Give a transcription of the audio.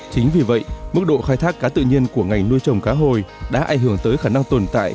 chính vì vậy mức độ khai thác cá tự nhiên của ngành nuôi trồng cá hồi đã ảnh hưởng tới khả năng tồn tại